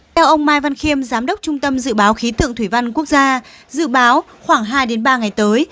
theo ông mai văn khiêm giám đốc trung tâm dự báo khí tượng thủy văn quốc gia dự báo khoảng hai ba ngày tới